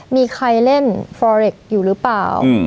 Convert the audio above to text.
มีใครเล่นฟรอเล็กซ์อยู่รึเปล่า